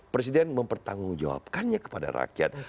presiden mempertanggungjawabkannya kepada rakyat